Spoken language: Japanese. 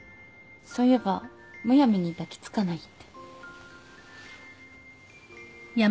そういえばむやみに抱き付かないって。